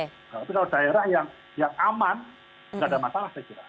tapi kalau daerah yang aman tidak ada masalah saya kira